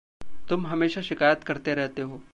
तुम हमेशा शिकायत करते रहते हो।